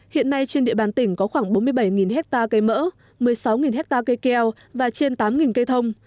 hiện nay trên địa bàn tỉnh có khoảng bốn mươi bảy hectare cây mỡ một mươi sáu hectare cây keo và trên tám cây thông